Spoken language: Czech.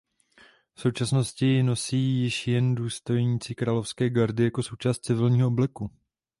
V současnosti ji nosí již jen důstojníci královské gardy jako součást civilního obleku.